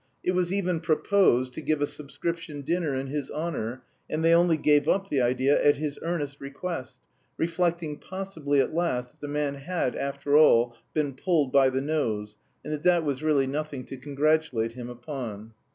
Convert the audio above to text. It was even proposed to give a subscription dinner in his honour, and they only gave up the idea at his earnest request reflecting possibly at last that the man had, after all, been pulled by the nose and that that was really nothing to congratulate him upon.